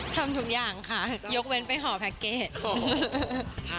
ทำทุกอย่างค่ะยกเว้นไปหอแพ็คเกจ